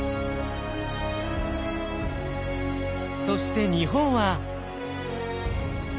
そして日本は。